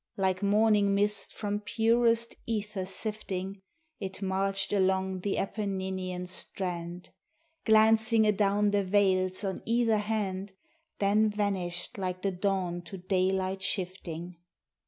Like morning mist from purest ether sifting, It marched along the Apenninian strand, Glancing adown the vales on either hand, Then vanished like the dawn to daylight shifting.